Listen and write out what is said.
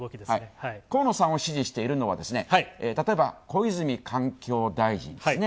河野さんを支持しているのは、例えば、小泉環境大臣ですね。